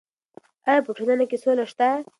ایا په ټولنه کې سوله شته؟